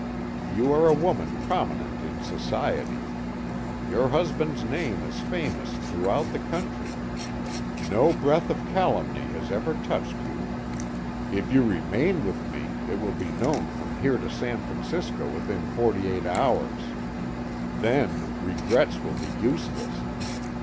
You are a woman prominent in society. Your husband's name is famous throughout the country. No breath of calumny has ever touched you. If you remain with me, it will be known from here to San Francisco within forty eight hours. Then, regrets will be useless.